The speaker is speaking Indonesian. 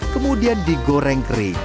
kemudian digoreng kering